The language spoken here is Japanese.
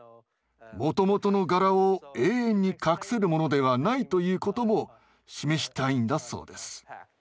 もともとの柄を永遠に隠せるものではないということも示したいんだそうです。